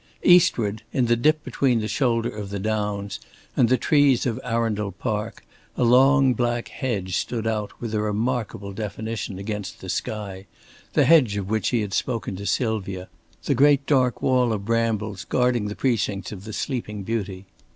Eastward, in the dip between the shoulder of the downs, and the trees of Arundel Park, a long black hedge stood out with a remarkable definition against the sky the hedge of which he had spoken to Sylvia the great dark wall of brambles guarding the precincts of the Sleeping Beauty.